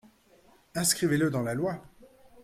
Inscrivez-le dans la loi